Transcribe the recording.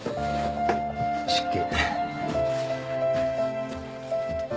失敬。